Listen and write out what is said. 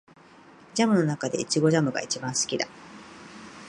ジャムの中でイチゴジャムが一番好きだ